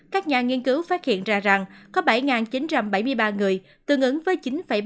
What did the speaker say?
các nhà nghiên cứu phát hiện ra rằng có bảy chín trăm bảy mươi ba người tương ứng với chín ba mươi